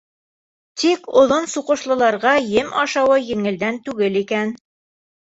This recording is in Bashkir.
Тик оҙон суҡышлыларға ем ашауы еңелдән түгел икән.